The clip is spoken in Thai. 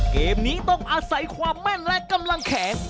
เกมนี้ต้องอาศัยความแม่นและกำลังแข็ง